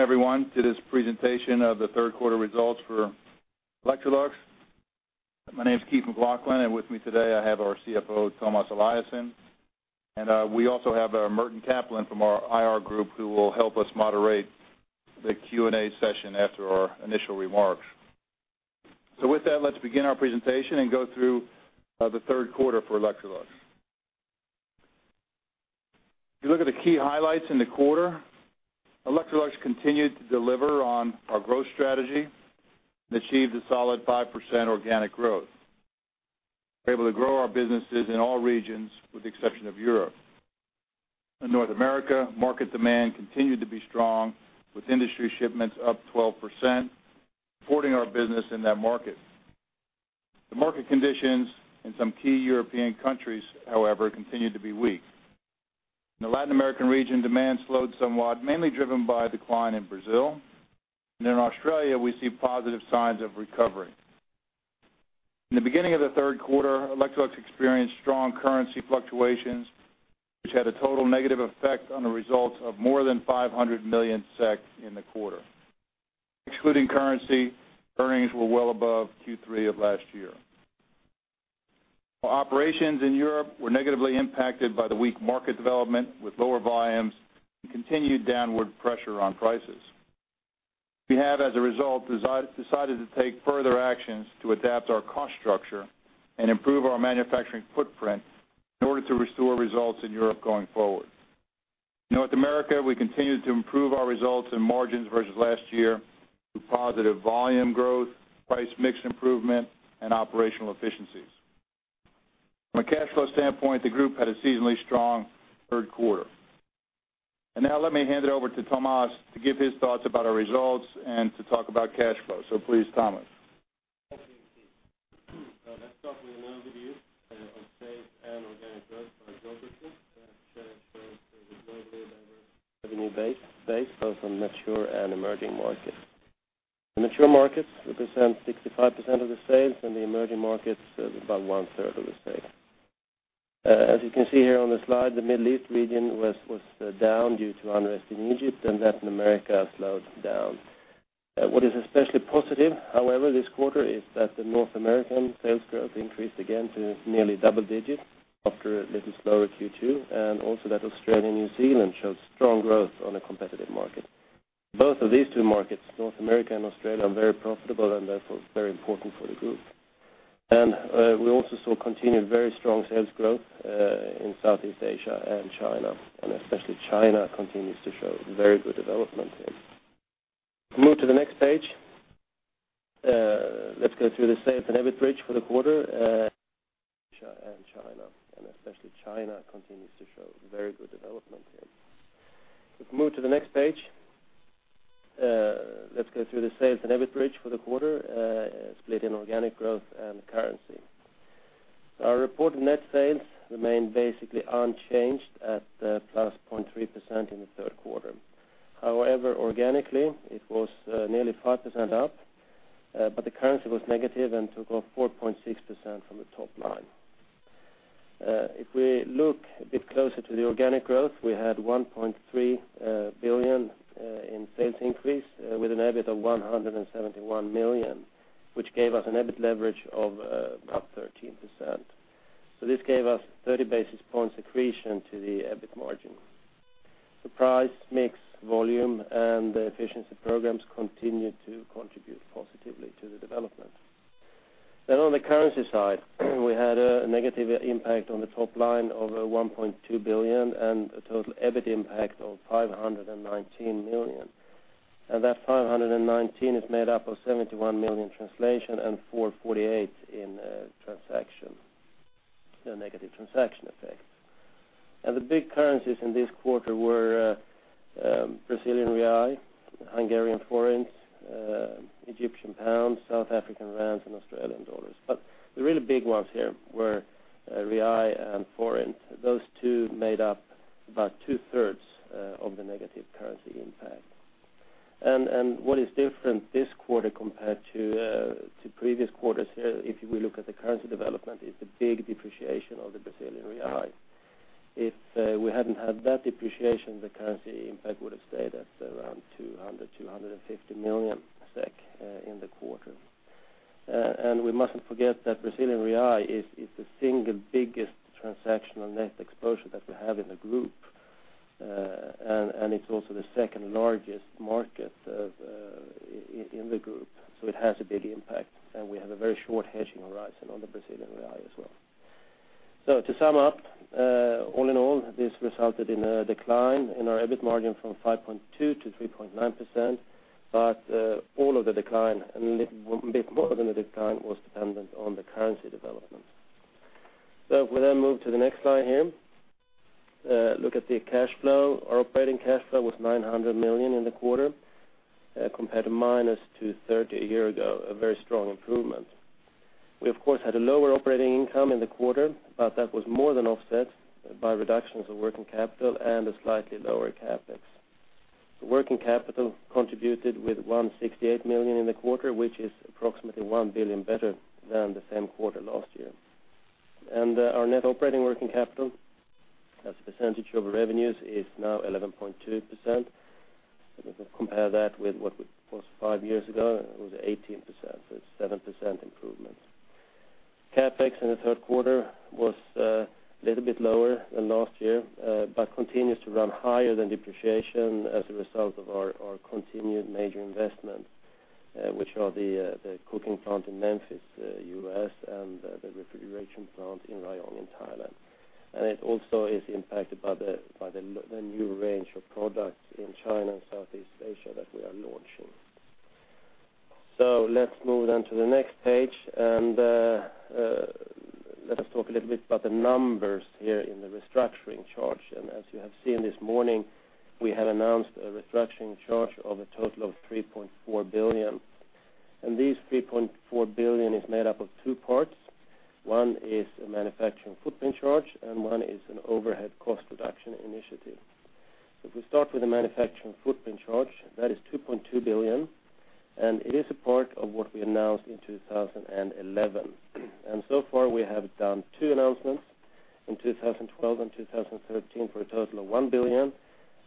Hello. Welcome, everyone, to this presentation of the Third Quarter Results for Electrolux. My name is Keith McLoughlin, with me today, I have our CFO, Tomas Eliasson, we also have our Merton Kaplan from our IR group, who will help us moderate the Q&A session after our initial remarks. With that, let's begin our presentation and go through the third quarter for Electrolux. If you look at the key highlights in the quarter, Electrolux continued to deliver on our growth strategy and achieved a solid 5% organic growth. We're able to grow our businesses in all regions, with the exception of Europe. In North America, market demand continued to be strong, with industry shipments up 12%, supporting our business in that market. The market conditions in some key European countries, however, continued to be weak. In the Latin American region, demand slowed somewhat, mainly driven by decline in Brazil. In Australia, we see positive signs of recovery. In the beginning of the third quarter, Electrolux experienced strong currency fluctuations, which had a total negative effect on the results of more than 500 million SEK in the quarter. Excluding currency, earnings were well above Q3 of last year. Our operations in Europe were negatively impacted by the weak market development, with lower volumes and continued downward pressure on prices. We have, as a result, decided to take further actions to adapt our cost structure and improve our manufacturing footprint in order to restore results in Europe going forward. In North America, we continued to improve our results and margins versus last year through positive volume growth, price mix improvement, and operational efficiencies. From a cash flow standpoint, the group had a seasonally strong third quarter. Now let me hand it over to Tomas to give his thoughts about our results and to talk about cash flow. Please, Tomas. Thank you, Keith. Let's start with an overview of sales and organic growth by geography. Chart shows the globally diverse revenue base, both on mature and emerging markets. The mature markets represent 65% of the sales, and the emerging markets, about one-third of the sales. As you can see here on the slide, the Middle East region was down due to unrest in Egypt, and Latin America slowed down. What is especially positive, however, this quarter is that the North American sales growth increased again to nearly double digits after a little slower Q2, and also that Australia and New Zealand showed strong growth on a competitive market. Both of these two markets, North America and Australia, are very profitable and therefore very important for the group. We also saw continued very strong sales growth in Southeast Asia and China, and especially China continues to show very good development here. Move to the next page. Let's go through the sales and EBIT bridge for the quarter, split in organic growth and currency. Our reported net sales remained basically unchanged at +0.3% in the third quarter. However, organically, it was nearly 5% up, but the currency was negative and took off 4.6% from the top line. If we look a bit closer to the organic growth, we had 1.3 billion in sales increase, with an EBIT of 171 million, which gave us an EBIT leverage of about 13%. This gave us 30 basis points accretion to the EBIT margin. Price, mix, volume, and the efficiency programs continued to contribute positively to the development. On the currency side, we had a negative impact on the top line of 1.2 billion and a total EBIT impact of 519 million. That 519 million is made up of 71 million translation and 448 in transaction, the negative transaction effect. The big currencies in this quarter were Brazilian real, Hungarian forint, Egyptian pound, South African rand, and Australian dollars. The really big ones here were real and forint. Those two made up about two-thirds of the negative currency impact. What is different this quarter compared to previous quarters here, if you will look at the currency development, is the big depreciation of the Brazilian real. If we hadn't had that depreciation, the currency impact would have stayed at around 200 million SEK to 250 million SEK in the quarter. We mustn't forget that Brazilian real is the single biggest transactional net exposure that we have in the group. It's also the second largest market in the group, so it has a big impact, and we have a very short hedging horizon on the Brazilian real as well. To sum up, all in all, this resulted in a decline in our EBIT margin from 5.2% to 3.9%, but all of the decline, and a bit more than the decline, was dependent on the currency development. We move to the next slide here. Look at the cash flow. Our operating cash flow was 900 million in the quarter, compared to minus 230 a year ago, a very strong improvement. We, of course, had a lower operating income in the quarter, but that was more than offset by reductions in working capital and a slightly lower CapEx. Working capital contributed with 168 million in the quarter, which is approximately 1 billion better than the same quarter last year. Our net operating working capital as a percentage of revenues is now 11.2%. Compare that with what it was five years ago, it was 18%, so it's 7% improvement. CapEx in the third quarter was little bit lower than last year, but continues to run higher than depreciation as a result of our continued major investment, which are the cooking plant in Memphis, U.S., and the refrigeration plant in Rayong, in Thailand. It also is impacted by the new range of products in China and Southeast Asia that we are launching. Let's move on to the next page, and let us talk a little bit about the numbers here in the restructuring charge. As you have seen this morning, we had announced a restructuring charge of a total of 3.4 billion. These 3.4 billion is made up of two parts. One is a manufacturing footprint charge, and one is an overhead cost reduction initiative. We start with the manufacturing footprint charge, that is 2.2 billion, and it is a part of what we announced in 2011. So far, we have done two announcements in 2012 and 2013 for a total of 1 billion,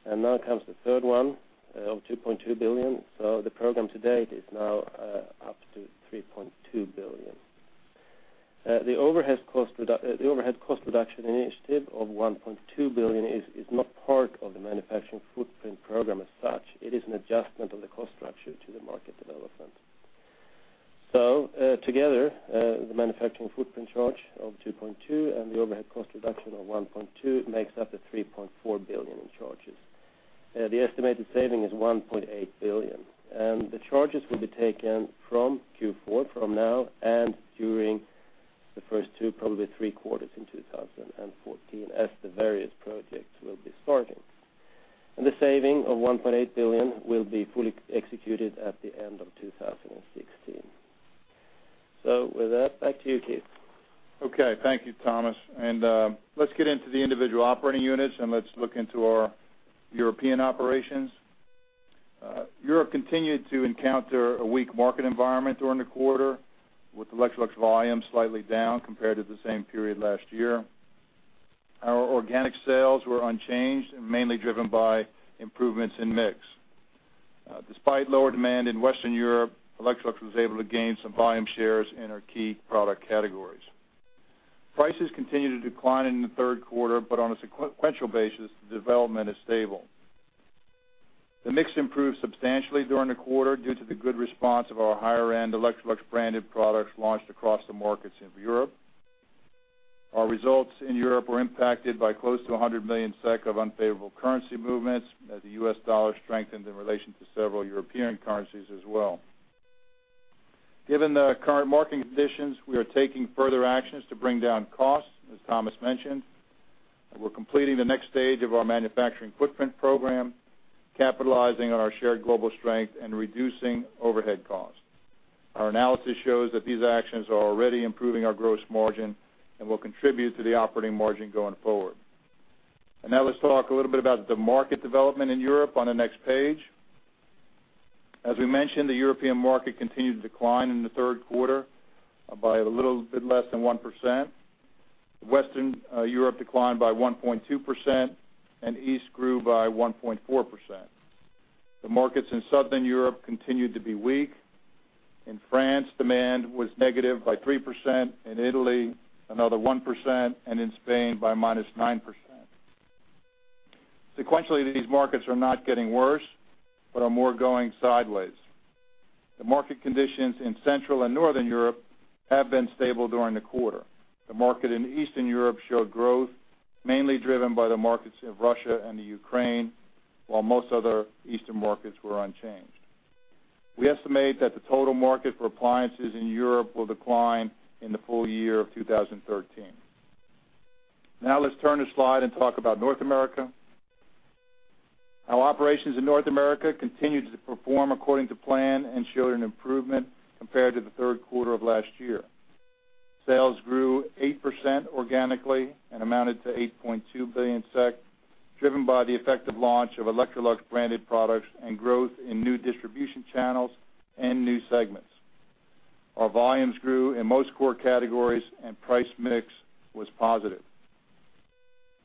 and now comes the third one of 2.2 billion. The program to date is now up to 3.2 billion. The overhead cost reduction initiative of 1.2 billion is not part of the manufacturing footprint program as such. It is an adjustment on the cost structure to the market development. Together, the manufacturing footprint charge of 2.2 and the overhead cost reduction of 1.2 makes up the 3.4 billion in charges. The estimated saving is 1.8 billion, and the charges will be taken from Q4, from now and during the first two, probably three quarters in 2014, as the various projects will be starting. The saving of 1.8 billion will be fully executed at the end of 2016. With that, back to you, Keith. Okay, thank you, Tomas. Let's get into the individual operating units, and let's look into our European operations. Europe continued to encounter a weak market environment during the quarter, with Electrolux volume slightly down compared to the same period last year. Our organic sales were unchanged and mainly driven by improvements in mix. Despite lower demand in Western Europe, Electrolux was able to gain some volume shares in our key product categories. Prices continued to decline in the third quarter, but on a sequential basis, the development is stable. The mix improved substantially during the quarter due to the good response of our higher-end Electrolux branded products launched across the markets of Europe. Our results in Europe were impacted by close to 100 million SEK of unfavorable currency movements, as the US dollar strengthened in relation to several European currencies as well. Given the current market conditions, we are taking further actions to bring down costs, as Tomas mentioned. We're completing the next stage of our manufacturing footprint program, capitalizing on our shared global strength and reducing overhead costs. Our analysis shows that these actions are already improving our gross margin and will contribute to the operating margin going forward. Now let's talk a little bit about the market development in Europe on the next page. As we mentioned, the European market continued to decline in the third quarter by a little bit less than 1%. Western Europe declined by 1.2%, and East grew by 1.4%. The markets in Southern Europe continued to be weak. In France, demand was negative by 3%, in Italy, another 1%, and in Spain, by -9%. Sequentially, these markets are not getting worse, but are more going sideways. The market conditions in Central and Northern Europe have been stable during the quarter. The market in Eastern Europe showed growth, mainly driven by the markets of Russia and Ukraine, while most other Eastern markets were unchanged. We estimate that the total market for appliances in Europe will decline in the full year of 2013. Let's turn the slide and talk about North America. Our operations in North America continued to perform according to plan and showed an improvement compared to the third quarter of last year. Sales grew 8% organically and amounted to 8.2 billion SEK, driven by the effective launch of Electrolux branded products and growth in new distribution channels and new segments. Our volumes grew in most core categories, and price mix was positive.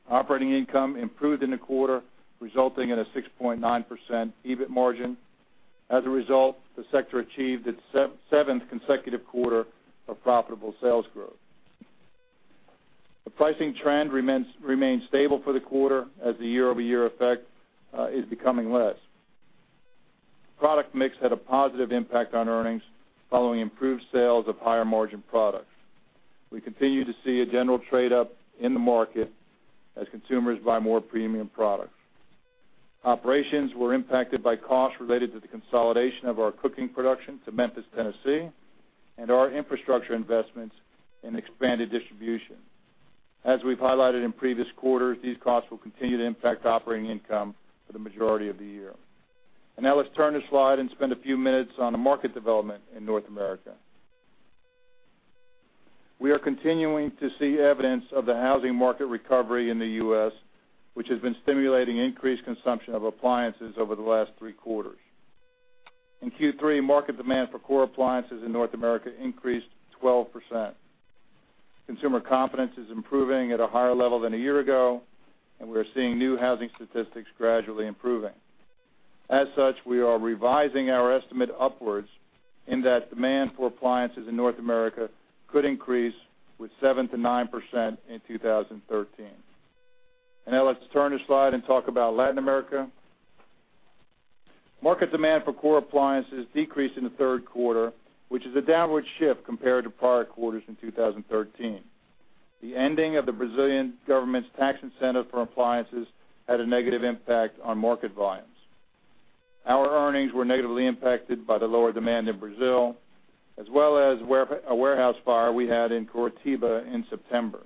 Operating income improved in the quarter, resulting in a 6.9% EBIT margin. As a result, the sector achieved its seventh consecutive quarter of profitable sales growth. The pricing trend remains stable for the quarter, as the year-over-year effect is becoming less. Product mix had a positive impact on earnings following improved sales of higher margin products. We continue to see a general trade up in the market as consumers buy more premium products. Operations were impacted by costs related to the consolidation of our cooking production to Memphis, Tennessee, and our infrastructure investments in expanded distribution. As we've highlighted in previous quarters, these costs will continue to impact operating income for the majority of the year. Now let's turn the slide and spend a few minutes on the market development in North America. We are continuing to see evidence of the housing market recovery in the U.S., which has been stimulating increased consumption of appliances over the last three quarters. In Q3, market demand for core appliances in North America increased 12%. Consumer confidence is improving at a higher level than a year ago, we are seeing new housing statistics gradually improving. As such, we are revising our estimate upwards, in that demand for appliances in North America could increase with 7% to 9% in 2013. Now let's turn the slide and talk about Latin America. Market demand for core appliances decreased in the third quarter, which is a downward shift compared to prior quarters in 2013. The ending of the Brazilian government's tax incentive for appliances had a negative impact on market volumes. Our earnings were negatively impacted by the lower demand in Brazil, as well as a warehouse fire we had in Curitiba in September.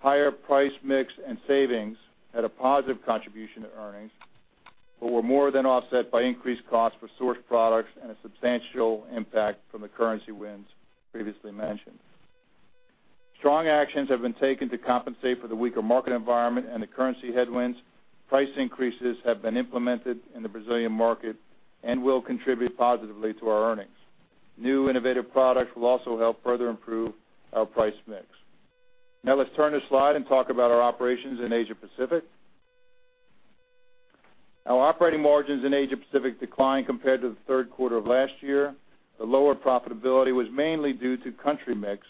Higher price mix and savings had a positive contribution to earnings, were more than offset by increased costs for sourced products and a substantial impact from the currency movements previously mentioned. Strong actions have been taken to compensate for the weaker market environment and the currency headwinds. Price increases have been implemented in the Brazilian market and will contribute positively to our earnings. New innovative products will also help further improve our price mix. Let's turn the slide and talk about our operations in Asia Pacific. Our operating margins in Asia Pacific declined compared to the third quarter of last year. The lower profitability was mainly due to country mix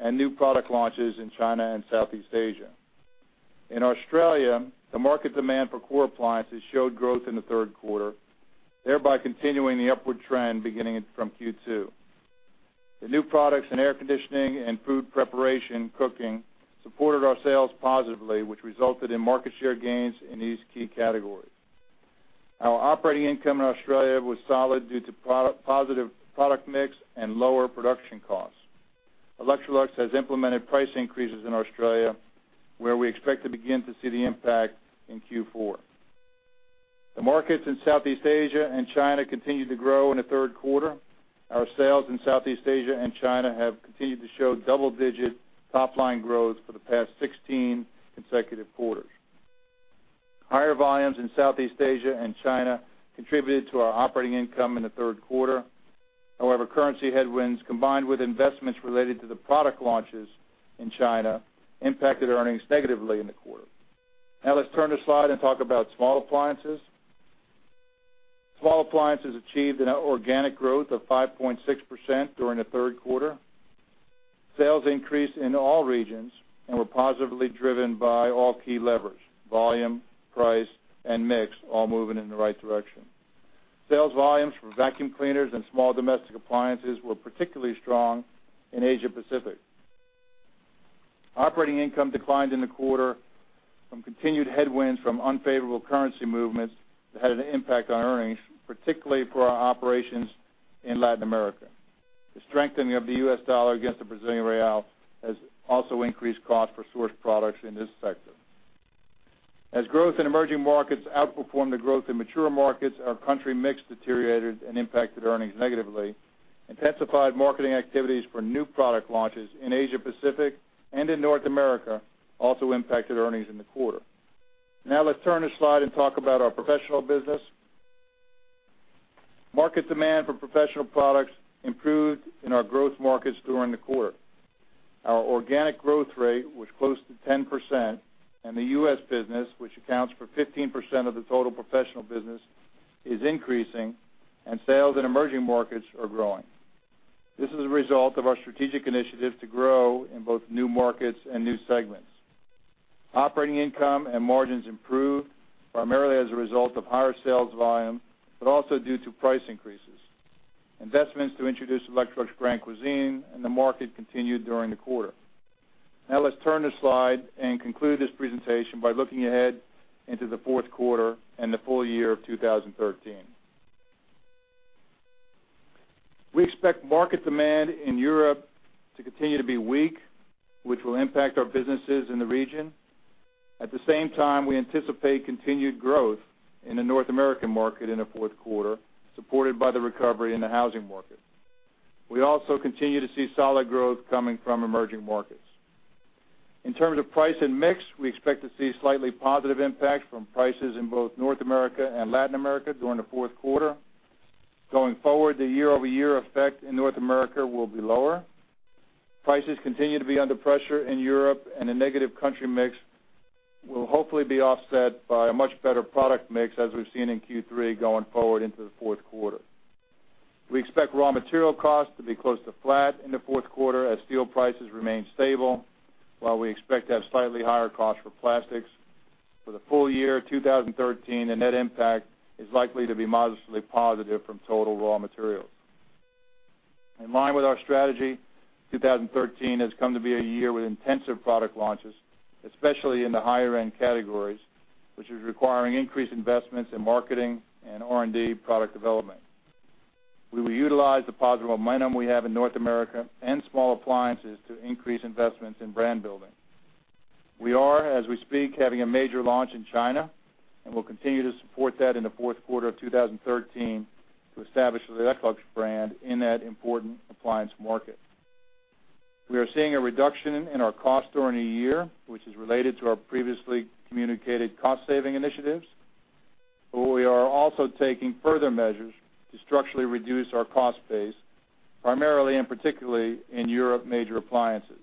and new product launches in China and Southeast Asia. In Australia, the market demand for core appliances showed growth in the third quarter, thereby continuing the upward trend beginning from Q2. The new products in air conditioning and food preparation cooking supported our sales positively, which resulted in market share gains in these key categories. Our operating income in Australia was solid due to pro- positive product mix and lower production costs. Electrolux has implemented price increases in Australia, where we expect to begin to see the impact in Q4. The markets in Southeast Asia and China continued to grow in the third quarter. Our sales in Southeast Asia and China have continued to show double-digit top-line growth for the past 16 consecutive quarters. Higher volumes in Southeast Asia and China contributed to our operating income in the third quarter. Currency headwinds, combined with investments related to the product launches in China, impacted earnings negatively in the quarter. Let's turn the slide and talk about small appliances. Small appliances achieved an organic growth of 5.6% during the third quarter. Sales increased in all regions and were positively driven by all key levers: volume, price, and mix, all moving in the right direction. Sales volumes for vacuum cleaners and small domestic appliances were particularly strong in Asia Pacific. Operating income declined in the quarter from continued headwinds from unfavorable currency movements that had an impact on earnings, particularly for our operations in Latin America. The strengthening of the US dollar against the Brazilian real has also increased costs for sourced products in this sector. As growth in emerging markets outperformed the growth in mature markets, our country mix deteriorated and impacted earnings negatively. Intensified marketing activities for new product launches in Asia Pacific and in North America also impacted earnings in the quarter. Now, let's turn the slide and talk about our professional business. Market demand for professional products improved in our growth markets during the quarter. Our organic growth rate was close to 10%, and the U.S. business, which accounts for 15% of the total professional business, is increasing, and sales in emerging markets are growing. This is a result of our strategic initiative to grow in both new markets and new segments. Operating income and margins improved, primarily as a result of higher sales volume, but also due to price increases. Investments to introduce Electrolux Grand Cuisine in the market continued during the quarter. Now, let's turn the slide and conclude this presentation by looking ahead into the fourth quarter and the full year of 2013. We expect market demand in Europe to continue to be weak, which will impact our businesses in the region. At the same time, we anticipate continued growth in the North American market in the fourth quarter, supported by the recovery in the housing market. We also continue to see solid growth coming from emerging markets. In terms of price and mix, we expect to see slightly positive impact from prices in both North America and Latin America during the fourth quarter. Going forward, the year-over-year effect in North America will be lower. Prices continue to be under pressure in Europe. The negative country mix will hopefully be offset by a much better product mix, as we've seen in Q3, going forward into the fourth quarter. We expect raw material costs to be close to flat in the fourth quarter as steel prices remain stable, while we expect to have slightly higher costs for plastics. For the full year 2013, the net impact is likely to be modestly positive from total raw materials. In line with our strategy, 2013 has come to be a year with intensive product launches, especially in the higher-end categories, which is requiring increased investments in marketing and R&D product development. We will utilize the positive momentum we have in North America and small appliances to increase investments in brand building. We are, as we speak, having a major launch in China, and we'll continue to support that in the fourth quarter of 2013 to establish the Electrolux brand in that important appliance market. We are seeing a reduction in our cost during the year, which is related to our previously communicated cost-saving initiatives, but we are also taking further measures to structurally reduce our cost base, primarily and particularly in Major Appliances Europe.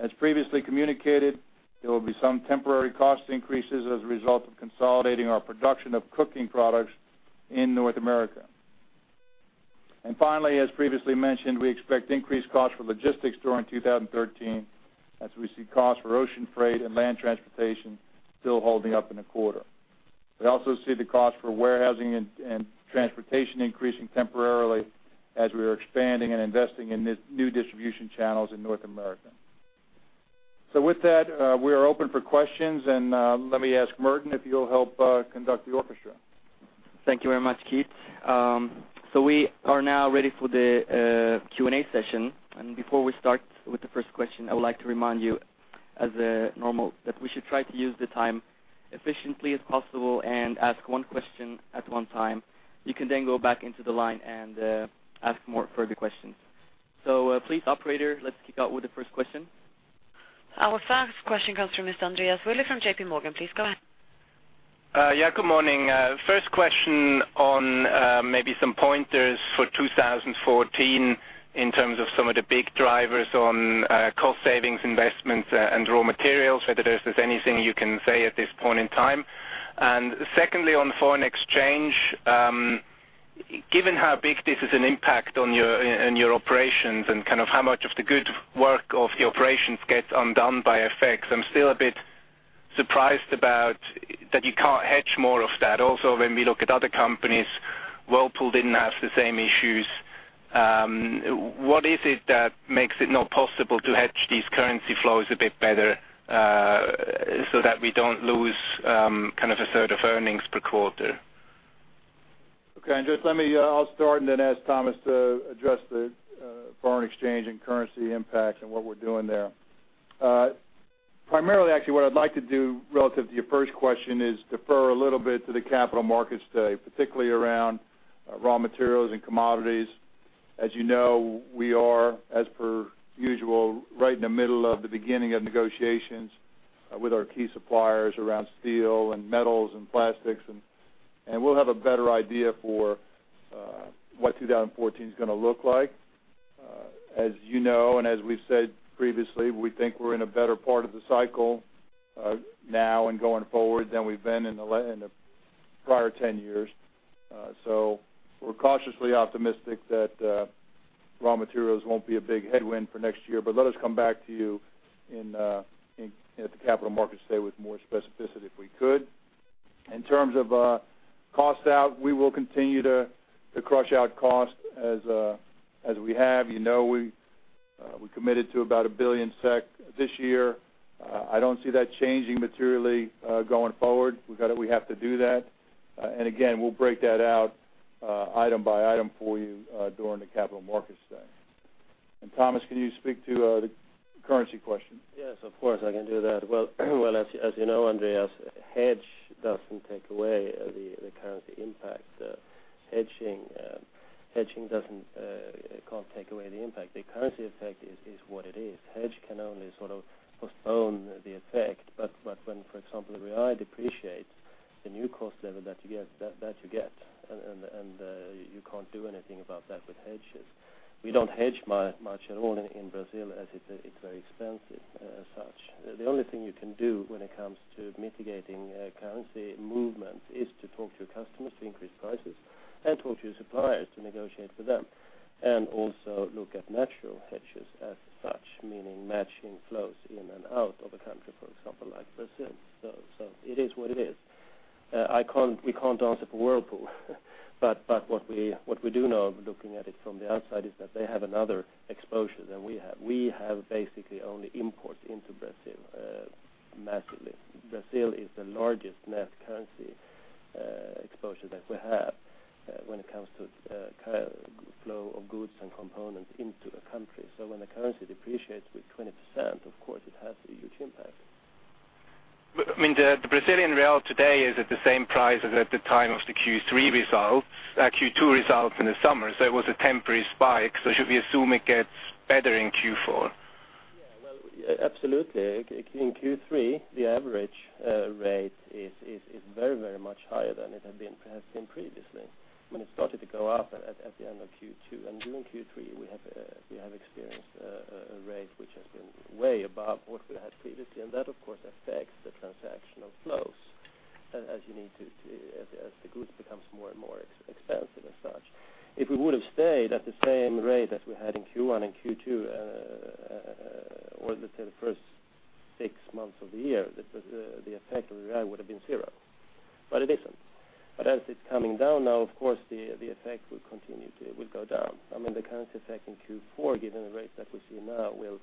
As previously communicated, there will be some temporary cost increases as a result of consolidating our production of cooking products in North America. Finally, as previously mentioned, we expect increased costs for logistics during 2013, as we see costs for ocean freight and land transportation still holding up in the quarter. We also see the cost for warehousing and transportation increasing temporarily as we are expanding and investing in this new distribution channels in North America. With that, we are open for questions, and let me ask Merton, if you'll help conduct the orchestra. Thank you very much, Keith. We are now ready for the Q&A session. Before we start with the first question, I would like to remind you, as a normal, that we should try to use the time efficiently as possible and ask one question at one time. You can then go back into the line and ask more further questions. Please, operator, let's kick out with the first question. Our first question comes from Mr. Andreas Willi from JPMorgan. Please, go ahead. Good morning. First question on, maybe some pointers for 2014 in terms of some of the big drivers on cost savings, investments, and raw materials, whether there is anything you can say at this point in time. Secondly, on foreign exchange, given how big this is an impact on your, in your operations and kind of how much of the good work of the operations gets undone by effects, I'm still a bit surprised about that you can't hedge more of that. When we look at other companies, Whirlpool didn't have the same issues. What is it that makes it not possible to hedge these currency flows a bit better, so that we don't lose, kind of a third of earnings per quarter? Okay, just let me, I'll start and then ask Tomas to address the foreign exchange and currency impacts and what we're doing there. Primarily, actually, what I'd like to do relative to your first question is defer a little bit to the Capital Markets Day, particularly around raw materials and commodities. As you know, we are, as per usual, right in the middle of the beginning of negotiations, with our key suppliers around steel and metals and plastics, and we'll have a better idea for what 2014 is gonna look like. As you know, and as we've said previously, we think we're in a better part of the cycle, now and going forward than we've been in the prior 10 years. We're cautiously optimistic that raw materials won't be a big headwind for next year, but let us come back to you in at the Capital Markets Day with more specificity, if we could. In terms of cost out, we will continue to crush out cost as we have. You know, we committed to about 1 billion SEK this year. I don't see that changing materially going forward. We got to, we have to do that. Again, we'll break that out item by item for you during the Capital Markets Day. Tomas, can you speak to the currency question? Yes, of course, I can do that. Well, as you know, Andreas, hedge doesn't take away the currency impact. Hedging doesn't, can't take away the impact. The currency effect is what it is. Hedge can only sort of postpone the effect, but when, for example, the Real depreciates, the new cost level that you get, and you can't do anything about that with hedges. We don't hedge much at all in Brazil, as it's very expensive as such. The only thing you can do when it comes to mitigating currency movement is to talk to your customers to increase prices and talk to your suppliers to negotiate with them. Also look at natural hedges as such, meaning matching flows in and out of a country, for example, like Brazil. It is what it is. We can't answer for Whirlpool, but what we do know, looking at it from the outside, is that they have another exposure than we have. We have basically only imports into Brazil, massively. Brazil is the largest net currency exposure that we have when it comes to flow of goods and components into the country. When the currency depreciates with 20%, of course, it has a huge impact. I mean, the Brazilian real today is at the same price as at the time of the Q3 result, Q2 results in the summer. It was a temporary spike. Should we assume it gets better in Q4? Yeah. Well, absolutely. In Q3, the average rate is very much higher than it had been, has been previously. When it started to go up at the end of Q2 and during Q3, we have experienced a rate which has been way above what we had previously, that, of course, affects the transactional flows as you need to, as the goods becomes more and more expensive as such. If we would have stayed at the same rate as we had in Q1 and Q2, or let's say the first six months of the year, the effect of the real would have been zero, it isn't. As it's coming down now, of course, the effect will continue to go down. I mean, the current effect in Q4, given the rate that we see now, will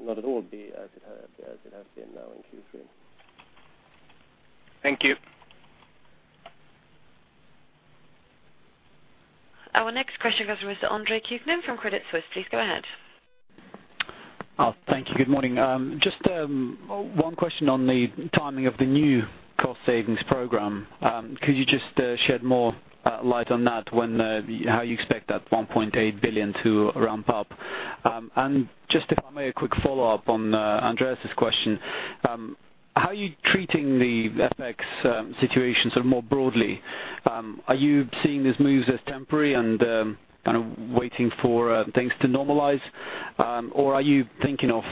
not at all be as it has been now in Q3. Thank you. Our next question comes from Mr. Andre Kukhnin from Credit Suisse. Please go ahead. Oh, thank you. Good morning. Just one question on the timing of the new cost savings program. Could you just shed more light on that, when how you expect that 1.8 billion to ramp up? Just if I may, a quick follow-up on Andreas' question. How are you treating the FX situation sort of more broadly? Are you seeing these moves as temporary and kind of waiting for things to normalize? Are you thinking of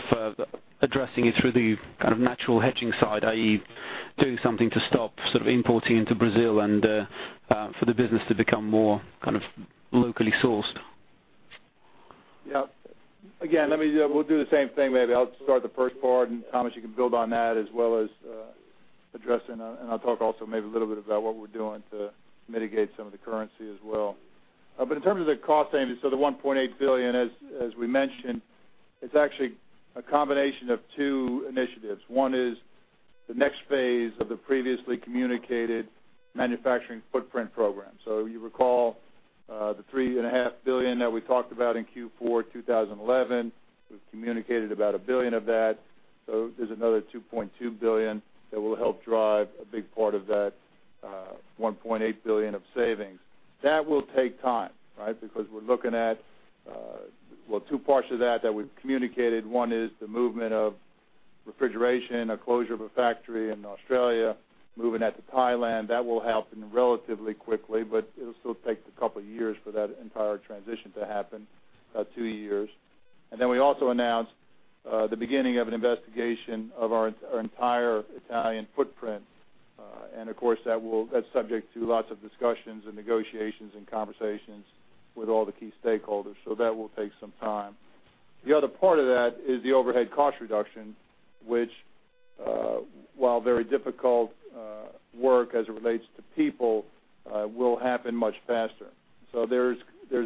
addressing it through the kind of natural hedging side, i.e., doing something to stop sort of importing into Brazil and for the business to become more kind of locally sourced? Yeah. Again, let me, we'll do the same thing maybe. I'll start the first part. Tomas, you can build on that as well as addressing. I'll talk also maybe a little bit about what we're doing to mitigate some of the currency as well. In terms of the cost savings, the 1.8 billion, as we mentioned, it's actually a combination of two initiatives. One is the next phase of the previously communicated manufacturing footprint program. You recall, the three and a half billion that we talked about in Q4, 2011. We've communicated about 1 billion of that. There's another 2.2 billion that will help drive a big part of that, 1.8 billion of savings. That will take time, right? Because we're looking at, well, two parts of that we've communicated. One is the movement of refrigeration, a closure of a factory in Australia, moving that to Thailand. That will happen relatively quickly, but it'll still take a couple of years for that entire transition to happen, about two years. Then we also announced the beginning of an investigation of our entire Italian footprint, and of course, that's subject to lots of discussions and negotiations and conversations with all the key stakeholders, so that will take some time. The other part of that is the overhead cost reduction, which, while very difficult work as it relates to people, will happen much faster. There's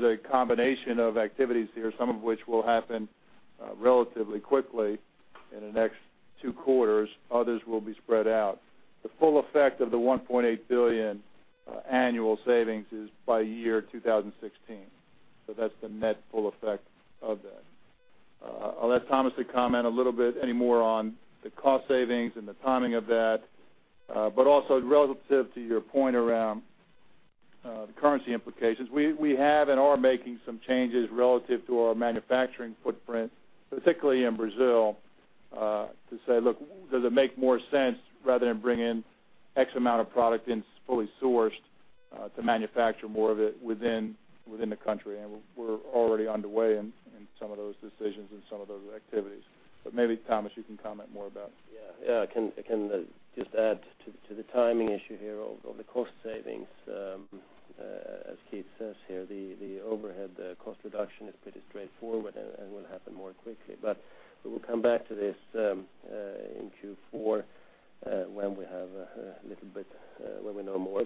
a combination of activities here, some of which will happen relatively quickly in the next two quarters, others will be spread out. The full effect of the 1.8 billion annual savings is by 2016. That's the net full effect of that. I'll let Tomas to comment a little bit any more on the cost savings and the timing of that. Also relative to your point around the currency implications, we have and are making some changes relative to our manufacturing footprint, particularly in Brazil, to say, look, does it make more sense, rather than bring in X amount of product in, fully sourced, to manufacture more of it within the country? We're already underway in some of those decisions and some of those activities. Maybe, Tomas, you can comment more about. I can just add to the timing issue here of the cost savings. As Keith says here, the overhead cost reduction is pretty straightforward and will happen more quickly. We will come back to this in Q4 when we have a little bit when we know more.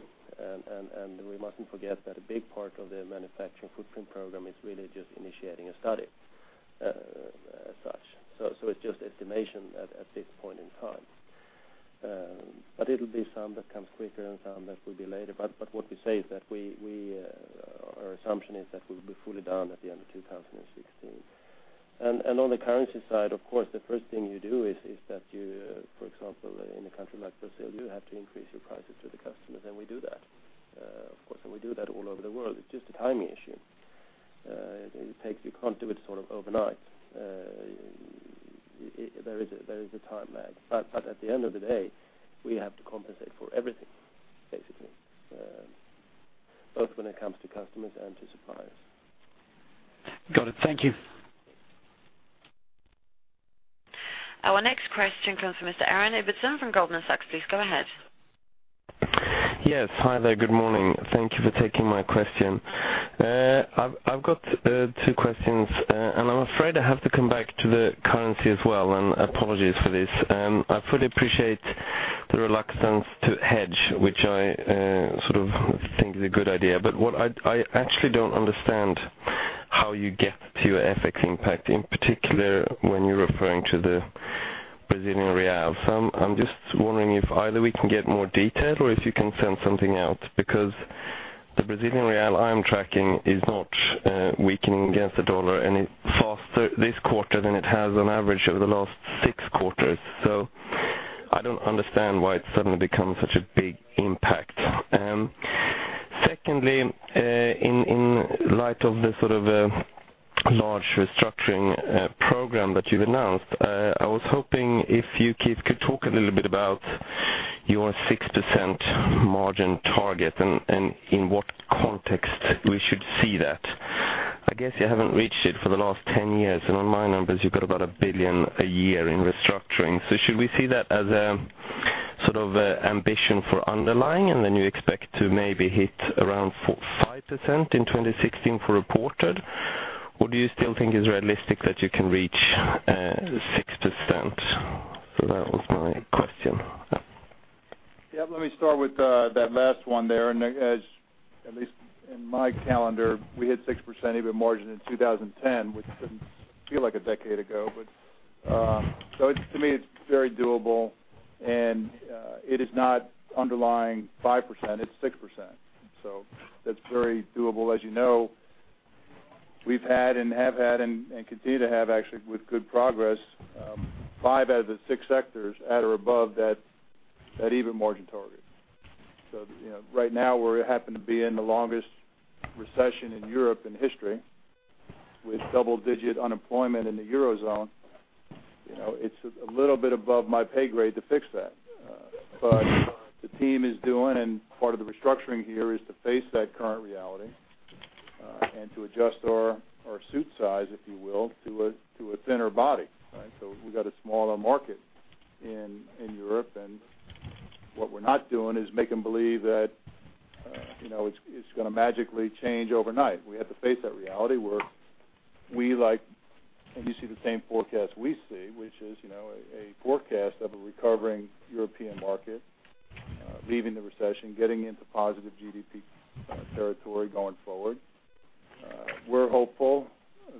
We mustn't forget that a big part of the manufacturing footprint program is really just initiating a study as such. It's just estimation at this point in time. It'll be some that comes quicker and some that will be later. What we say is that our assumption is that we'll be fully done at the end of 2016. On the currency side, of course, the first thing you do is that you, for example, in a country like Brazil, you have to increase your prices to the customers, and we do that. Of course, we do that all over the world. It's just a timing issue. You can't do it sort of overnight. There is a time lag. At the end of the day, we have to compensate for everything, basically, both when it comes to customers and to suppliers. Got it. Thank you. Our next question comes from Mr. Aaron Ibbotson from Goldman Sachs. Please go ahead. Yes. Hi there, good morning. Thank Thank you for taking my question. I've got two questions, and I'm afraid I have to come back to the currency as well, and apologies for this. I fully appreciate the reluctance to hedge, which I sort of think is a good idea. What I actually don't understand how you get to your FX impact, in particular, when you're referring to the Brazilian real. I'm just wondering if either we can get more detail, or if you can send something out, because the Brazilian real I'm tracking is not weakening against the dollar, and it faster this quarter than it has on average over the last six quarters. I don't understand why it's suddenly become such a big impact. Secondly, in light of the sort of large restructuring program that you've announced, I was hoping if you, Keith, could talk a little bit about your 6% margin target and in what context we should see that. I guess you haven't reached it for the last 10 years, and on my numbers, you've got about 1 billion a year in restructuring. Should we see that as a sort of a ambition for underlying, and then you expect to maybe hit around 4%, 5% in 2016 for reported? Or do you still think it's realistic that you can reach 6%? That was my question. Yeah, let me start with, that last one there. As at least in my calendar, we hit 6% EBITDA margin in 2010, which doesn't feel like a decade ago, but, so it's, to me, it's very doable. It is not underlying 5%, it's 6%. That's very doable. As you know, we've had and have had and continue to have, actually, with good progress, five out of the six sectors at or above that even margin target. You know, right now, we happen to be in the longest recession in Europe in history, with double-digit unemployment in the Eurozone. You know, it's a little bit above my pay grade to fix that. The team is doing, and part of the restructuring here is to face that current reality, and to adjust our suit size, if you will, to a, to a thinner body, right? We've got a smaller market in Europe, and what we're not doing is make them believe that, you know, it's gonna magically change overnight. We have to face that reality where we and you see the same forecast we see, which is, you know, a forecast of a recovering European market, leaving the recession, getting into positive GDP territory going forward. We're hopeful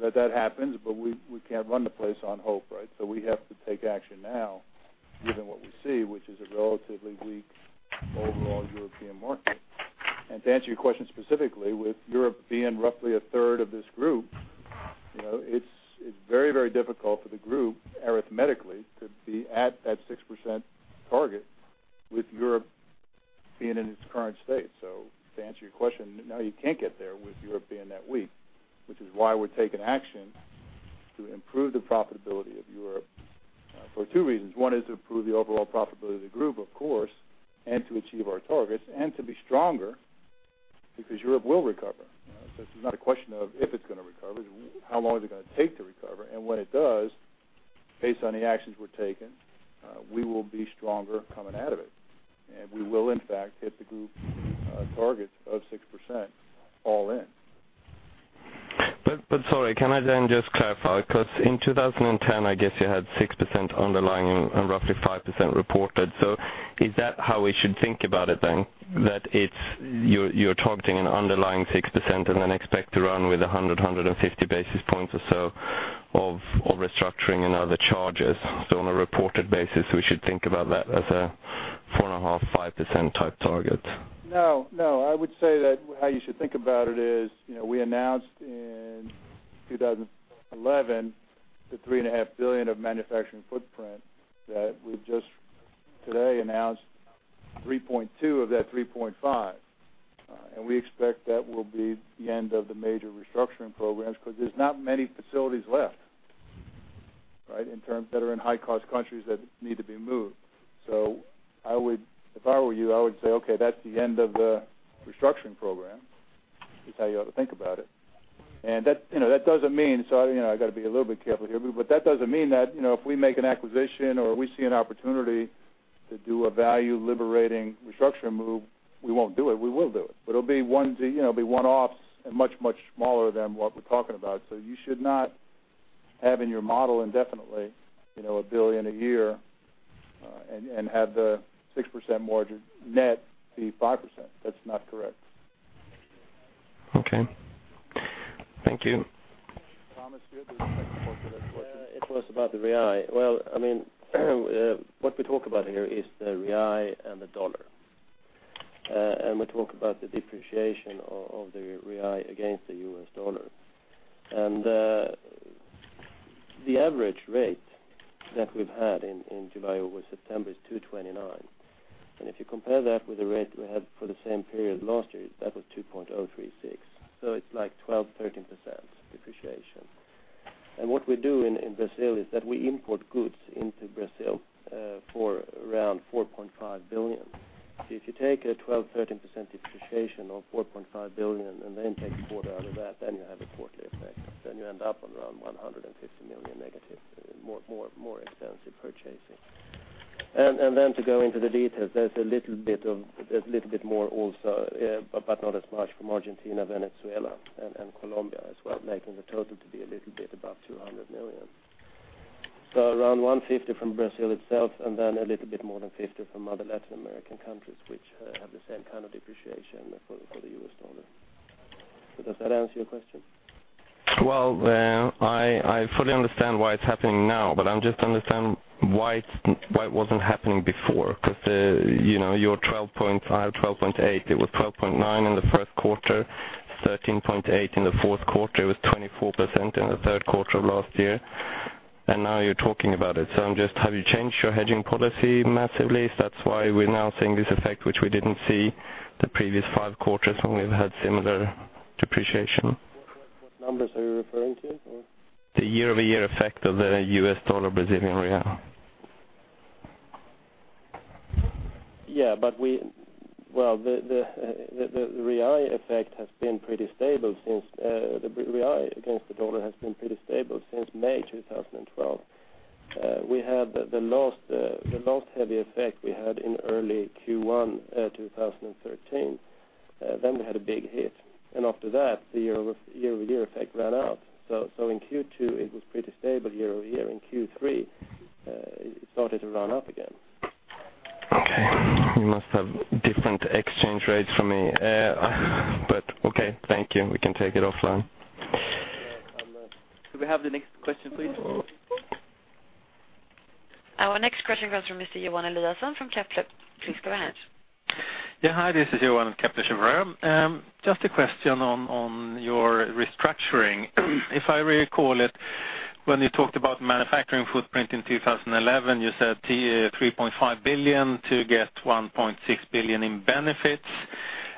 that that happens, but we can't run the place on hope, right? We have to take action now given what we see, which is a relatively weak overall European market. To answer your question specifically, with Europe being roughly a third of this group, you know, it's very, very difficult for the group, arithmetically, to be at that 6% target with Europe being in its current state. To answer your question, no, you can't get there with Europe being that weak, which is why we're taking action to improve the profitability of Europe for two reasons. One is to improve the overall profitability of the group, of course, and to achieve our targets, and to be stronger because Europe will recover. You know, this is not a question of if it's gonna recover, it's how long is it gonna take to recover? When it does, based on the actions we're taking, we will be stronger coming out of it, and we will, in fact, hit the group, target of 6% all in. Sorry, can I then just clarify? Because in 2010, I guess you had 6% underlying and roughly 5% reported. Is that how we should think about it then, that it's you're targeting an underlying 6% and then expect to run with 100-150 basis points or so of restructuring and other charges? On a reported basis, we should think about that as a 4.5%-5% type target. No, no. I would say that how you should think about it is, you know, we announced in 2011, the $3.5 billion of manufacturing footprint that we've just today announced $3.2 of that $3.5. We expect that will be the end of the major restructuring programs, because there's not many facilities left, right, in terms that are in high-cost countries that need to be moved. If I were you, I would say, okay, that's the end of the restructuring program. That's how you ought to think about it. That, you know, that doesn't mean, so, you know, I've got to be a little bit careful here, but that doesn't mean that, you know, if we make an acquisition or we see an opportunity to do a value-liberating restructuring move, we won't do it. We will do it. It'll be one, you know, it'll be one-offs and much, much smaller than what we're talking about. You should not have in your model indefinitely, you know, 1 billion a year, and have the 6% margin net be 5%. That's not correct. Okay. Thank you. Tomas, do you have anything more to that question? It was about the real. Well, I mean, what we talk about here is the real and the dollar. We talk about the depreciation of the real against the U.S. dollar. The average rate that we've had in July over September is 2.29. If you compare that with the rate we had for the same period last year, that was 2.036. It's like 12%-13% depreciation. What we do in Brazil is that we import goods into Brazil for around $4.5 billion. If you take a 12%-13% depreciation of $4.5 billion and then take the quarter out of that, then you have a quarterly effect. You end up on around 150 million negative, more expensive purchasing. Then to go into the details, there's a little bit more also, but not as much from Argentina, Venezuela, and Colombia as well, making the total to be a little bit above $200 million. Around $150 from Brazil itself, and then a little bit more than $50 from other Latin American countries, which have the same kind of depreciation for the US dollar. Does that answer your question? I fully understand why it's happening now, I'm just understand why it wasn't happening before. you know, you're 12.5%, 12.8%. It was 12.9% in the first quarter, 13.8% in the fourth quarter. It was 24% in the third quarter of last year, now you're talking about it. Have you changed your hedging policy massively? That's why we're now seeing this effect, which we didn't see the previous five quarters when we've had similar depreciation. What numbers are you referring to? The year-over-year effect of the U.S. dollar, Brazilian real. Well, the BRL effect has been pretty stable since the BRL against the USD has been pretty stable since May 2012. We had the last heavy effect we had in early Q1 2013. We had a big hit, and after that, the year-over-year effect ran out. In Q2, it was pretty stable year-over-year. In Q3, it started to run up again. Okay. You must have different exchange rates from me. Okay. Thank you. We can take it offline. Could we have the next question, please? Our next question comes from Mr. Johan Eliasson from Kepler. Please go ahead. Yeah, hi, this is Johan from Kepler Cheuvreux. Just a question on your restructuring. If I recall it, when you talked about manufacturing footprint in 2011, you said $3.5 billion to get $1.6 billion in benefits.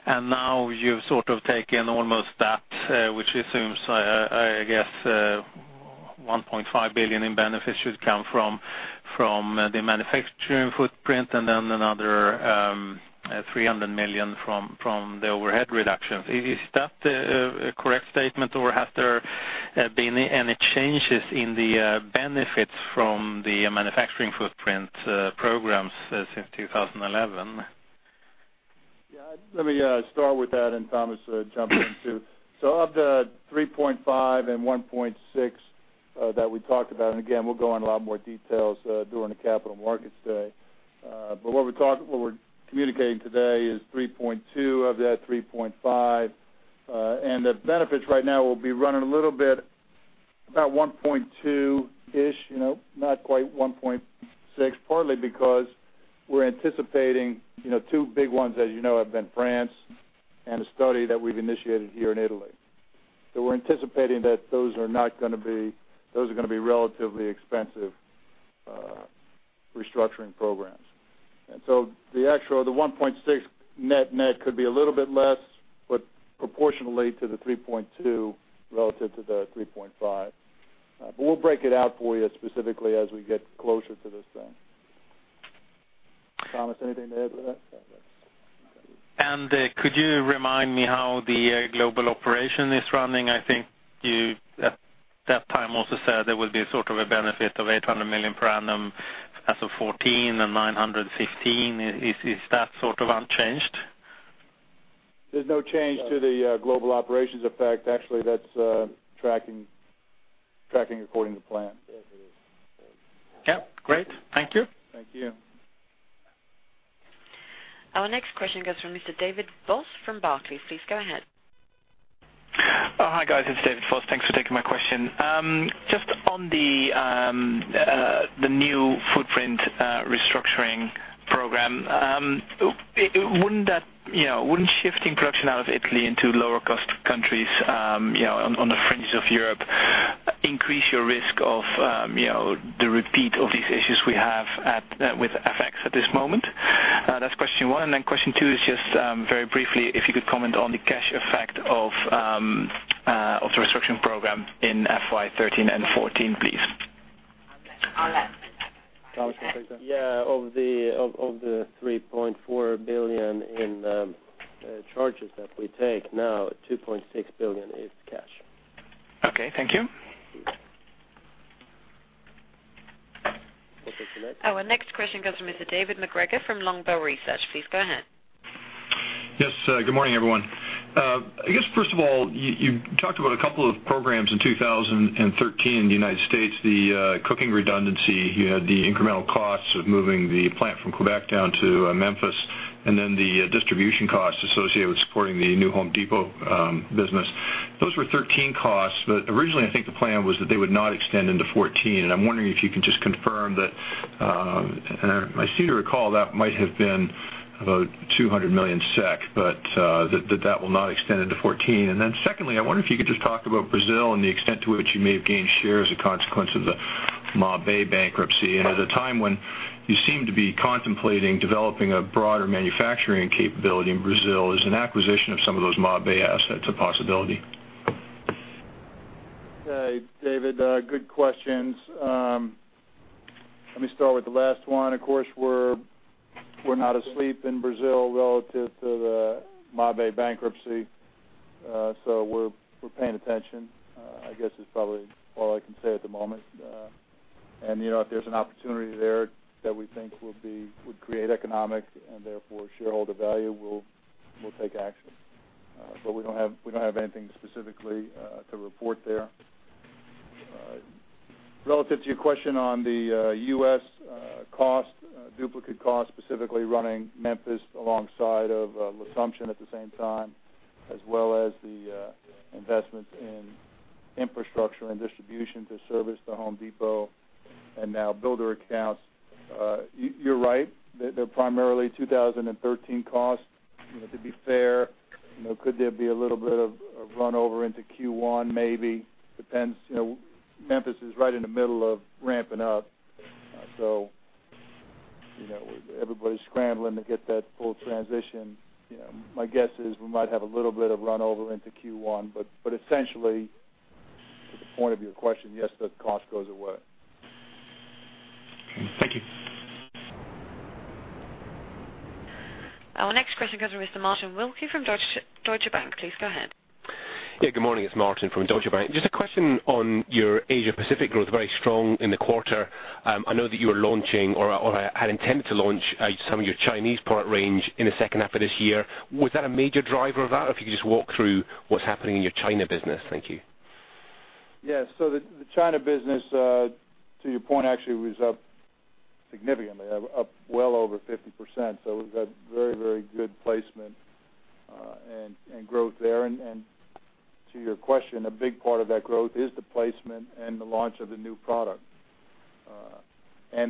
Now you've sort of taken almost that, which assumes, I guess, $1.5 billion in benefits should come from the manufacturing footprint, and then another $300 million from the overhead reductions. Is that a correct statement, or has there been any changes in the benefits from the manufacturing footprint programs since 2011? Yeah, let me start with that, and Tomas jump in, too. Of the 3.5 and 1.6 that we talked about, and again, we'll go in a lot more details during the Capital Markets Day. What we're communicating today is 3.2 of that 3.5. The benefits right now will be running a little bit, about 1.2-ish, you know, not quite 1.6, partly because we're anticipating, you know, two big ones, as you know, have been France and a study that we've initiated here in Italy. We're anticipating that those are not gonna be those are gonna be relatively expensive restructuring programs. The actual, the 1.6 net net could be a little bit less, proportionally to the 3.2, relative to the 3.5. We'll break it out for you specifically as we get closer to this thing. Tomas, anything to add to that? Could you remind me how the global operation is running? I think you, at that time, also said there would be sort of a benefit of 800 million per annum as of 2014 and 900 million, 2015. Is that sort of unchanged? There's no change to the global operations effect. Actually, that's tracking according to plan. Yeah, great. Thank you. Thank you. Our next question comes from Mr. David Vos from Barclays. Please go ahead. Oh, hi, guys. It's David Vos. Thanks for taking my question. Just on the new footprint restructuring program, wouldn't that, you know, wouldn't shifting production out of Italy into lower cost countries, you know, on the fringes of Europe, increase your risk of, you know, the repeat of these issues we have with FX at this moment? That's question one, and then question two is just very briefly, if you could comment on the cash effect of the restructuring program in FY 2013 and 2014, please. Yeah, of the 3.4 billion in charges that we take now, 2.6 billion is cash. Okay, thank you. Our next question comes from Mr. David MacGregor from Longbow Research. Please go ahead. Yes, good morning, everyone. I guess, first of all, you talked about a couple of programs in 2013 in the United States, the cooking redundancy. You had the incremental costs of moving the plant from Quebec down to Memphis, and then the distribution costs associated with supporting the new Home Depot business. Those were 2013 costs, but originally, I think the plan was that they would not extend into 2014, and I'm wondering if you could just confirm that. I seem to recall that might have been about 200 million SEK, but that will not extend into 2014. Secondly, I wonder if you could just talk about Brazil and the extent to which you may have gained share as a consequence of the Mabe bankruptcy. At a time when you seem to be contemplating developing a broader manufacturing capability in Brazil, is an acquisition of some of those Mabe assets a possibility? Okay, David, good questions. Let me start with the last one. Of course, we're not asleep in Brazil relative to the Mabe bankruptcy, so we're paying attention, I guess is probably all I can say at the moment. You know, if there's an opportunity there that we think will be, would create economic and therefore shareholder value, we'll take action. We don't have anything specifically to report there. Relative to your question on the U.S. cost, duplicate costs, specifically running Memphis alongside of l'Assomption at the same time, as well as the investments in infrastructure and distribution to service The Home Depot and now builder accounts, you're right. They're primarily 2013 costs. To be fair, you know, could there be a little bit of run over into Q1? Maybe. Depends. You know, Memphis is right in the middle of ramping up, so, you know, everybody's scrambling to get that full transition. You know, my guess is we might have a little bit of run over into Q1, but essentially, to the point of your question, yes, the cost goes away. Thank you. Our next question comes from Mr. Martin Wilkie from Deutsche Bank. Please go ahead. Good morning. It's Martin from Deutsche Bank. Just a question on your Asia Pacific growth, very strong in the quarter. I know that you are launching, or had intended to launch, some of your Chinese product range in the second half of this year. Was that a major driver of that? If you could just walk through what's happening in your China business. Thank you. Yeah, the China business, to your point, actually was up significantly, up well over 50%. We've had very good placement and growth there. To your question, a big part of that growth is the placement and the launch of the new product.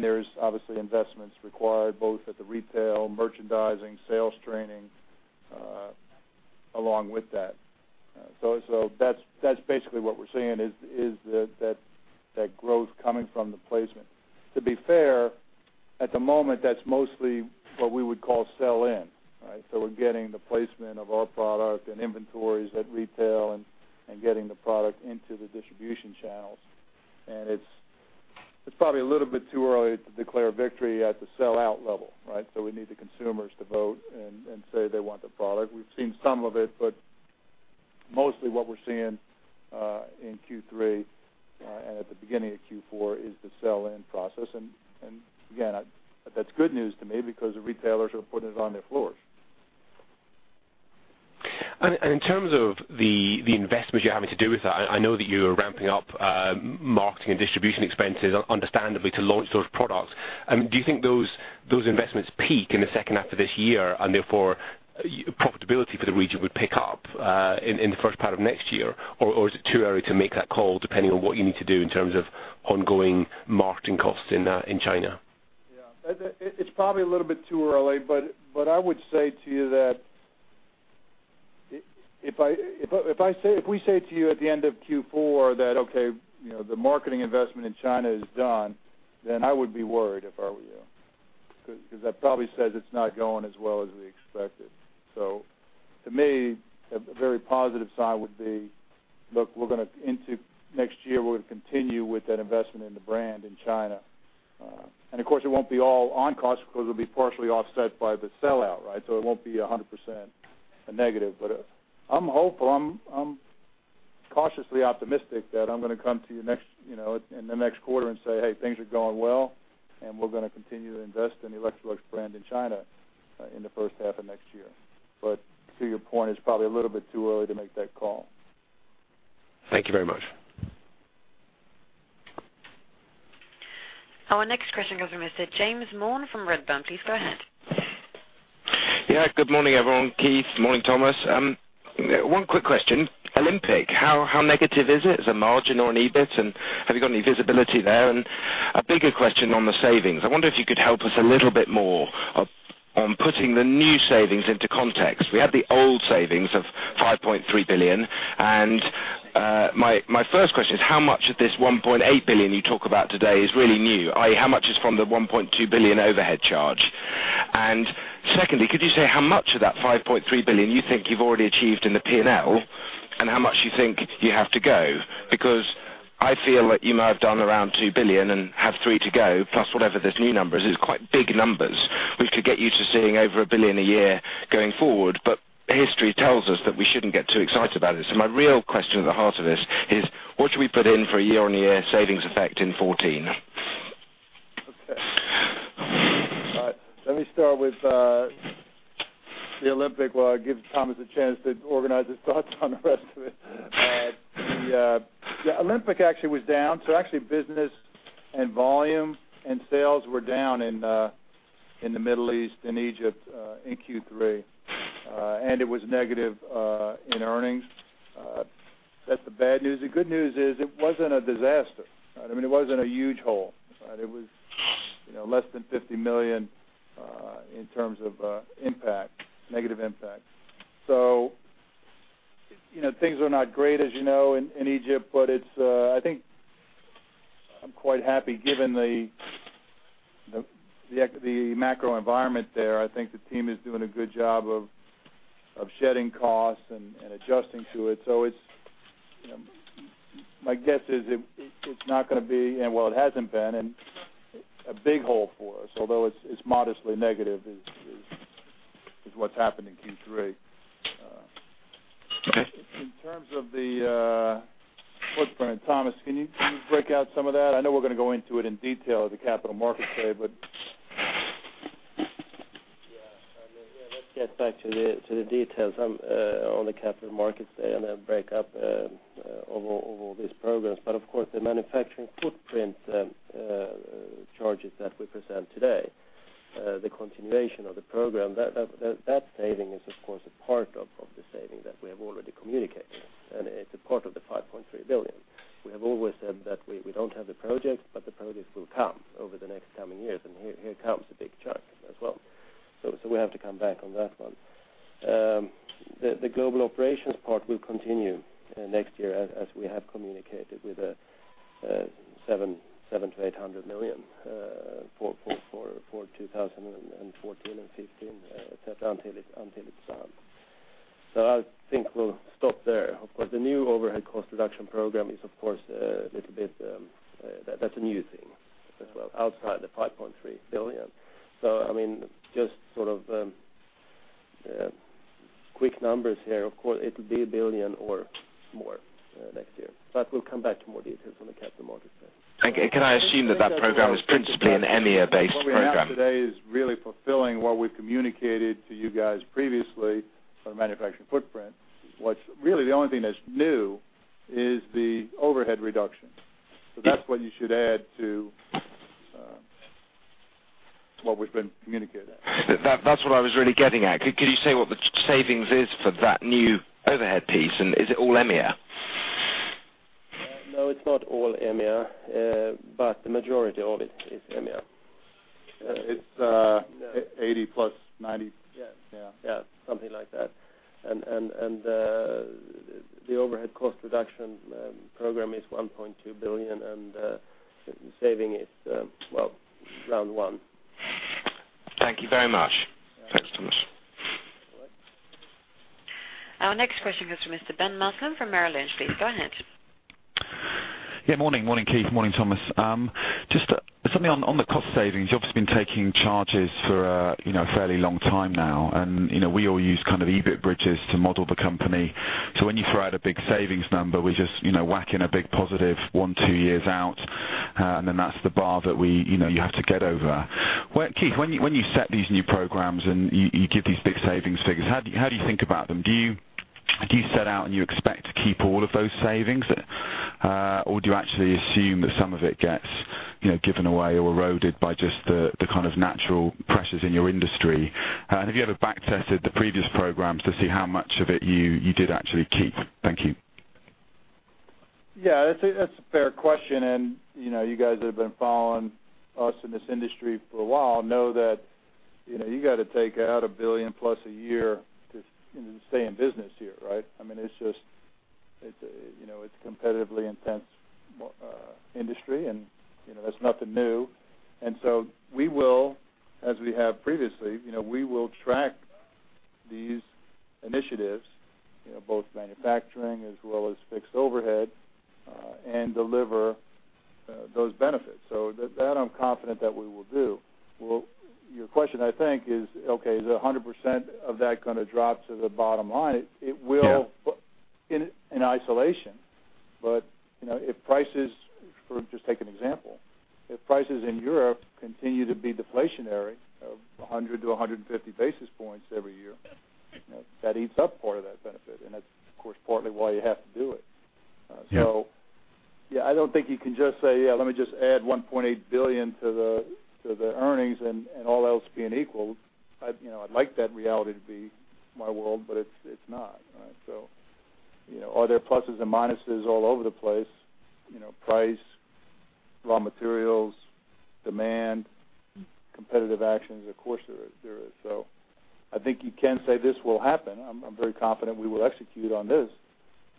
There's obviously investments required both at the retail, merchandising, sales training, along with that. That's basically what we're seeing is that growth coming from the placement. To be fair, at the moment, that's mostly what we would call sell-in, right? We're getting the placement of our product and inventories at retail and getting the product into the distribution channels. It's probably a little bit too early to declare victory at the sell-out level, right? We need the consumers to vote and say they want the product. We've seen some of it, but mostly what we're seeing, in Q3, and at the beginning of Q4 is the sell-in process. Again, that's good news to me because the retailers are putting it on their floors. In terms of the investments you're having to do with that, I know that you are ramping up marketing and distribution expenses, understandably, to launch those products. Do you think those investments peak in the second half of this year, and therefore, profitability for the region would pick up in the first part of next year? Is it too early to make that call, depending on what you need to do in terms of ongoing marketing costs in China? It's probably a little bit too early, but I would say to you that if we say to you at the end of Q4 that, okay, you know, the marketing investment in China is done, then I would be worried if I were you. Because that probably says it's not going as well as we expected. To me, a very positive sign would be, look, we're gonna continue with that investment in the brand in China. Of course, it won't be all on cost because it'll be partially offset by the sell-out, right? It won't be 100% a negative, but I'm hopeful. I'm cautiously optimistic that I'm gonna come to you next, you know, in the next quarter and say, "Hey, things are going well, and we're gonna continue to invest in the Electrolux brand in China, in the first half of next year." To your point, it's probably a little bit too early to make that call. Thank you very much. Our next question comes from Mr. James Maughan from Redburn. Please go ahead. Yeah, good morning, everyone. Keith, morning, Tomas. One quick question. Olympic Group, how negative is it as a margin on EBIT? Have you got any visibility there? A bigger question on the savings. I wonder if you could help us a little bit more on putting the new savings into context. We had the old savings of 5.3 billion. My first question is, how much of this 1.8 billion you talk about today is really new, i.e., how much is from the 1.2 billion overhead charge? Secondly, could you say how much of that 5.3 billion you think you've already achieved in the P&L, and how much you think you have to go? I feel like you may have done around 2 billion and have 3 to go, plus whatever this new number is. It's quite big numbers, which could get you to seeing over 1 billion a year going forward. History tells us that we shouldn't get too excited about it. My real question at the heart of this is, what should we put in for a year-on-year savings effect in 2014? Okay. All right. Let me start with the Olympic while I give Tomas a chance to organize his thoughts on the rest of it. The, yeah, Olympic actually was down. Actually, business and volume and sales were down in the Middle East, in Egypt, in Q3. It was negative in earnings. That's the bad news. The good news is, it wasn't a disaster. I mean, it wasn't a huge hole. It was, you know, less than 50 million in terms of impact, negative impact. You know, things are not great, as you know, in Egypt, but it's... I think I'm quite happy. Given the macro environment there, I think the team is doing a good job of shedding costs and adjusting to it. It's, my guess is it's not gonna be, and, well, it hasn't been, and a big hole for us, although it's modestly negative, is what's happened in Q3. In terms of the footprint, Tomas, can you break out some of that? I know we're gonna go into it in detail at the Capital Markets Day, but... Yeah. I mean, yeah, let's get back to the details, on the Capital Markets Day, and then break up, over all these programs. Of course, the manufacturing footprint, charges that we present today, the continuation of the program, that saving is, of course, a part of the saving that we have already communicated, and it's a part of the 5.3 billion. We have always said that we don't have the project, but the project will come over the next coming years, and here comes a big chunk as well. We have to come back on that one. The global operations part will continue next year, as we have communicated with 700 million-800 million for 2014 and 2015, until it's done. I think we'll stop there. Of course, the new overhead cost reduction program is, of course, a little bit, that's a new thing as well, outside the 5.3 billion. I mean, just sort of, quick numbers here. Of course, it'll be 1 billion or more next year, but we'll come back to more details on the Capital Markets Day. Thank you. Can I assume that that program is principally an EMEA-based program? What we have today is really fulfilling what we've communicated to you guys previously on the manufacturing footprint. What's really the only thing that's new is the overhead reduction. That's what we've been communicating. That's what I was really getting at. Could you say what the savings is for that new overhead piece, and is it all EMEA? No, it's not all EMEA, but the majority of it is EMEA. It's, 80 plus 90. Yes. Yeah. Yeah, something like that. The overhead cost reduction program is 1.2 billion, and saving is, well, round 1. Thank you very much. Thanks, Tomas. Our next question goes to Mr. Ben Maslen from Merrill Lynch. Please, go ahead. Yeah, morning. Morning, Keith. Morning, Tomas. Just something on the cost savings. You obviously been taking charges for a, you know, fairly long time now, and, you know, we all use kind of EBIT bridges to model the company. When you throw out a big savings number, we just, you know, whack in a big positive one, two years out, then that's the bar that we, you know, you have to get over. Keith, when you set these new programs and you give these big savings figures, how do you think about them? Do you set out and you expect to keep all of those savings? Do you actually assume that some of it gets, you know, given away or eroded by just the kind of natural pressures in your industry? Have you ever back-tested the previous programs to see how much of it you did actually keep? Thank you. Yeah, that's a, that's a fair question, and, you know, you guys that have been following us in this industry for a while know that, you know, you gotta take out $1 billion-plus a year to, you know, stay in business here, right? I mean, it's just, it's, you know, it's a competitively intense industry, and, you know, that's nothing new. We will, as we have previously, you know, we will track these initiatives, you know, both manufacturing as well as fixed overhead and deliver those benefits. That, that I'm confident that we will do. Well, your question, I think, is, okay, is 100% of that gonna drop to the bottom line? Yeah. It will in isolation, you know, if prices, just take an example, if prices in Europe continue to be deflationary of 100 to 150 basis points every year, you know, that eats up part of that benefit. That's, of course, partly why you have to do it. Yeah. Yeah, I don't think you can just say, "Yeah, let me just add 1.8 billion to the earnings, and all else being equal." I'd, you know, I'd like that reality to be my world, but it's not, right? You know, are there pluses and minuses all over the place? You know, price, raw materials, demand, competitive actions, of course, there is. I think you can say this will happen. I'm very confident we will execute on this,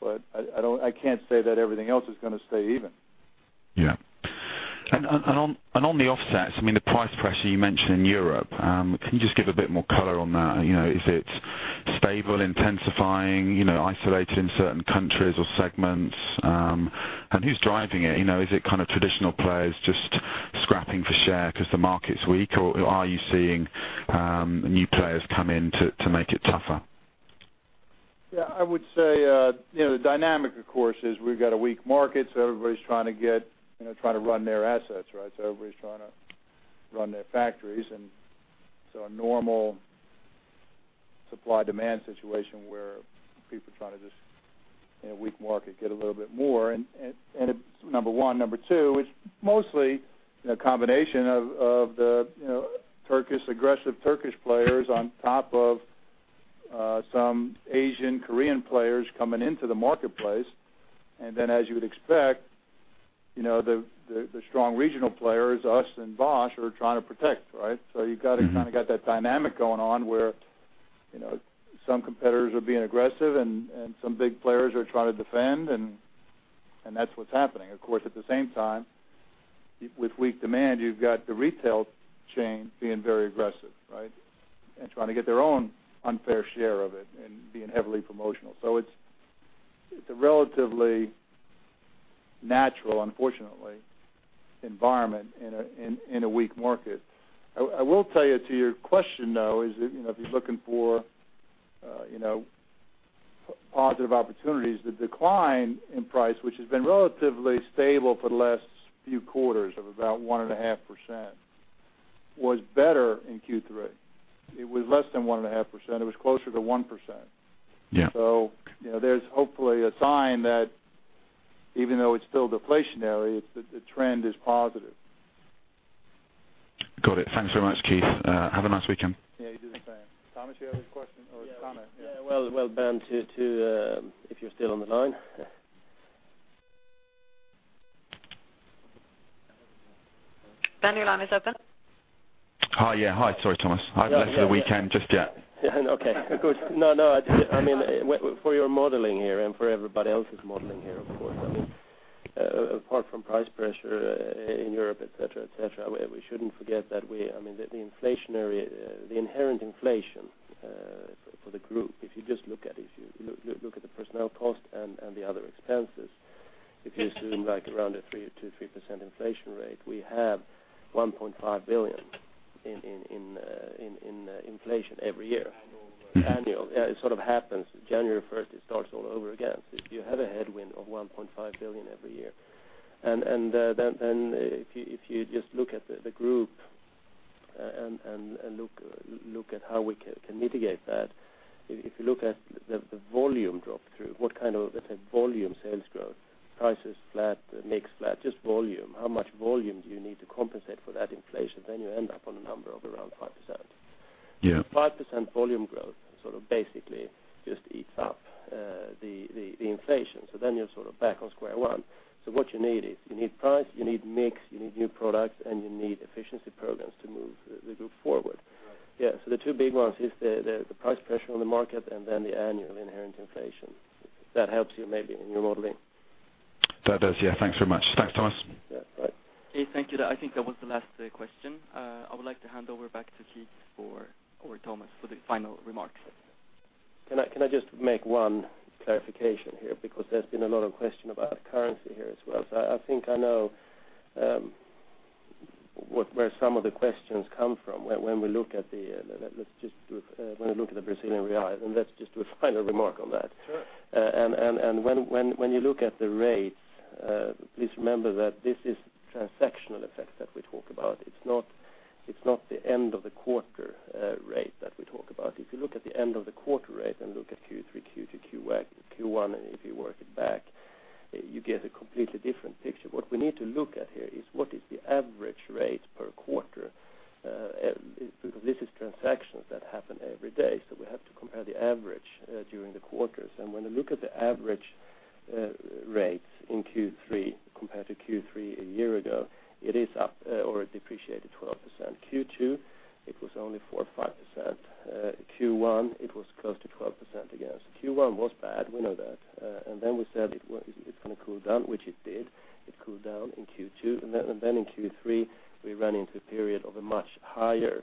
but I can't say that everything else is gonna stay even. Yeah. Okay. On the offsets, I mean, the price pressure you mentioned in Europe, can you just give a bit more color on that? You know, is it stable, intensifying, you know, isolated in certain countries or segments? Who's driving it? You know, is it kind of traditional players just scrapping for share because the market's weak, or are you seeing new players come in to make it tougher? Yeah, I would say, you know, the dynamic, of course, is we've got a weak market, so everybody's trying to get, you know, trying to run their assets, right? Everybody's trying to run their factories, and so a normal supply-demand situation where people are trying to just, in a weak market, get a little bit more, and it's number one. Number two, it's mostly a combination of the, you know, Turkish, aggressive Turkish players on top of, some Asian, Korean players coming into the marketplace. As you would expect, you know, the, the strong regional players, us and Bosch, are trying to protect, right? You've got to kind of get that dynamic going on, where, you know, some competitors are being aggressive and some big players are trying to defend, and that's what's happening. Of course, at the same time, with weak demand, you've got the retail chain being very aggressive, right? Trying to get their own unfair share of it and being heavily promotional. It's a relatively natural, unfortunately, environment in a weak market. I will tell you, to your question, though, is that, you know, if you're looking for, you know, positive opportunities, the decline in price, which has been relatively stable for the last few quarters of about 1.5%, was better in Q3. It was less than 1.5%. It was closer to 1%. Yeah. You know, there's hopefully a sign that even though it's still deflationary, it's the trend is positive. Got it. Thanks so much, Keith. Have a nice weekend. Yeah, you, too. Bye. Tomas, you have a question or a comment? Yeah. Well, Ben, to if you're still on the line? Ben, your line is open. Hi, yeah. Hi, sorry, Tomas. I've left for the weekend just yet. Yeah, okay, of course. No, I mean, for your modeling here and for everybody else's modeling here, of course, I mean, apart from price pressure in Europe, et cetera, et cetera, we shouldn't forget that I mean, the inflationary, the inherent inflation, for the group, if you just look at it, if you look at the personnel cost and the other expenses, if you zoom, like, around a 3%, 2% to 3% inflation rate, we have 1.5 billion in inflation every year. Annual. Annual. Yeah, it sort of happens January first, it starts all over again. You have a headwind of 1.5 billion every year. If you just look at the group and look at how we can mitigate that, if you look at the volume drop-through, what kind of, let's say, volume sales growth, price is flat, the mix flat, just volume. How much volume do you need to compensate for that inflation? You end up on a number of around 5%. Yeah, 5% volume growth sort of basically just eats up the inflation. You're sort of back on square one. What you need is, you need price, you need mix, you need new products, and you need efficiency programs to move the group forward. The two big ones is the price pressure on the market and then the annual inherent inflation. That helps you maybe in your modeling. That does, yeah. Thanks very much. Thanks, Tomas. Yeah, bye. Okay, thank you. I think that was the last, question. I would like to hand over back to Keith for or Tomas, for the final remarks. Can I just make one clarification here? Because there's been a lot of question about currency here as well. I think I know where some of the questions come from when we look at the Brazilian Real. Let's just do a final remark on that. Sure. When you look at the rates, please remember that this is transactional effects that we talk about. It's not the end of the quarter rate that we talk about. If you look at the end of the quarter rate and look at Q3, Q2, Q1, and if you work it back, you get a completely different picture. What we need to look at here is what is the average rate per quarter because this is transactions that happen every day, so we have to compare the average during the quarters. When you look at the average rates in Q3 compared to Q3 a year ago, it is up, or it depreciated 12%. Q2, it was only 4% or 5%. Q1, it was close to 12% again. Q1 was bad, we know that. And then we said it's gonna cool down, which it did. It cooled down in Q2, and then, and then in Q3, we ran into a period of a much higher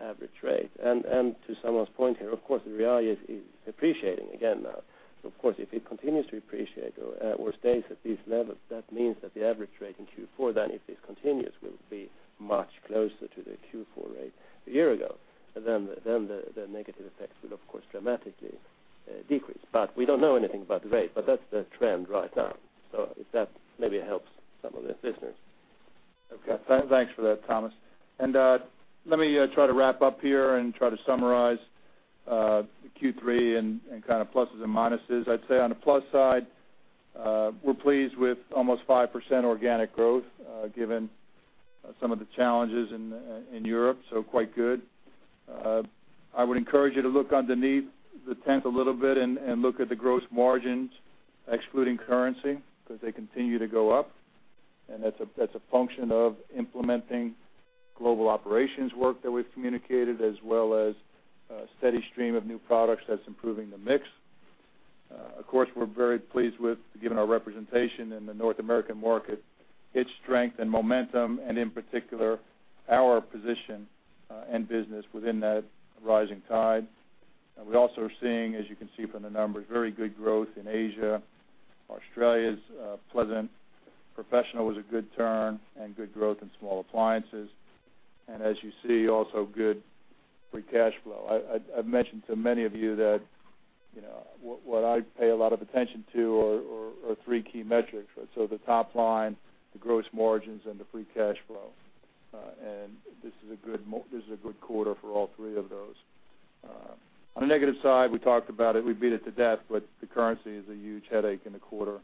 average rate. To someone's point here, of course, the real is appreciating again now. Of course, if it continues to appreciate or stays at these levels, that means that the average rate in Q4, then if this continues, will be much closer to the Q4 rate a year ago. The negative effects will, of course, dramatically decrease. We don't know anything about the rate, but that's the trend right now. If that maybe helps some of the listeners. Okay, thanks for that, Tomas. Let me try to wrap up here and try to summarize Q3 and kind of pluses and minuses. I'd say on the plus side, we're pleased with almost 5% organic growth, given some of the challenges in Europe, so quite good. I would encourage you to look underneath the tent a little bit and look at the gross margins, excluding currency, because they continue to go up, and that's a function of implementing global operations work that we've communicated, as well as a steady stream of new products that's improving the mix. Of course, we're very pleased with, given our representation in the North American market, its strength and momentum, and in particular, our position and business within that rising tide. We also are seeing, as you can see from the numbers, very good growth in Asia. Australia's pleasant. Professional was a good turn and good growth in small appliances. As you see, also good free cash flow. I've mentioned to many of you that, you know, what I pay a lot of attention to are three key metrics: so the top line, the gross margins, and the free cash flow, and this is a good quarter for all three of those. On the negative side, we talked about it, we beat it to death, but the currency is a huge headache in the quarter.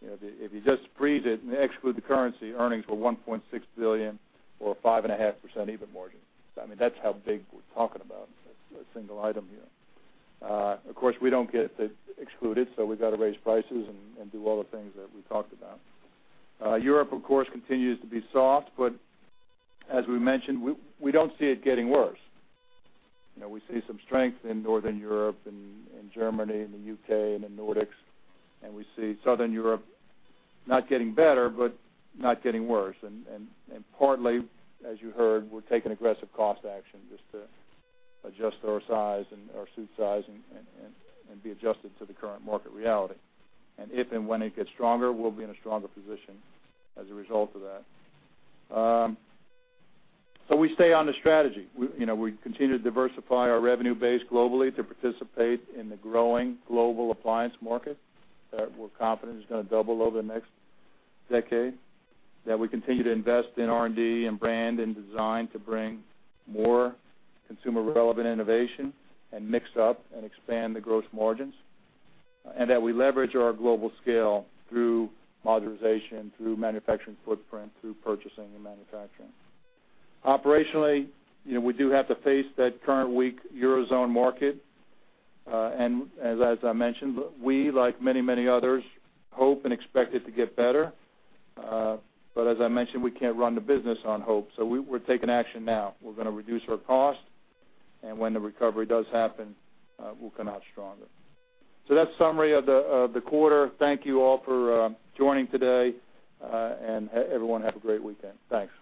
You know, if you just freeze it and exclude the currency, earnings were 1.6 billion or 5.5% EBITDA margin. I mean, that's how big we're talking about a single item here. Of course, we don't get to exclude it, so we've got to raise prices and do all the things that we talked about. Europe, of course, continues to be soft, but as we mentioned, we don't see it getting worse. You know, we see some strength in Northern Europe and in Germany and the U.K. and the Nordics, and we see Southern Europe not getting better, but not getting worse. And partly, as you heard, we're taking aggressive cost action just to adjust our size and our suit sizing and be adjusted to the current market reality. If and when it gets stronger, we'll be in a stronger position as a result of that. We stay on the strategy. We, you know, we continue to diversify our revenue base globally to participate in the growing global appliance market, that we're confident is gonna double over the next decade. We continue to invest in R&D and brand and design to bring more consumer-relevant innovation and mix up and expand the gross margins, and that we leverage our global scale through modernization, through manufacturing footprint, through purchasing and manufacturing. Operationally, you know, we do have to face that current weak Eurozone market, and as I mentioned, we, like many others, hope and expect it to get better. As I mentioned, we can't run the business on hope, so we're taking action now. We're gonna reduce our cost, and when the recovery does happen, we'll come out stronger. That's summary of the, of the quarter. Thank you all for joining today, and everyone, have a great weekend. Thanks.